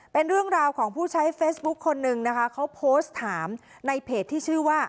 เป็นเรื่องราวของผู้ใช้เฟซบุ๊คคนนึงนะคะเขาโพสต์ถามในเพจที่ชื่อว่า